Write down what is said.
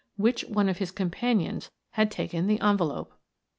Which one of his companions had taken the envelope?